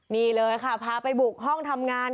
นี่เลยค่ะพาไปบุกห้องทำงาน